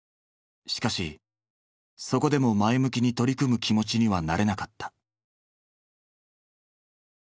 しかしそこでも前向きに取り組む気持ちにはなれなかった。